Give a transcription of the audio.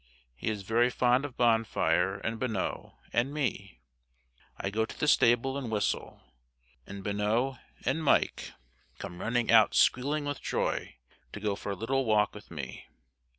He is very fond of Bonfire, and Bonneau, and me. I go to the stable and whistle, and Bonneau and Mike come running out squealing with joy, to go for a little walk with me.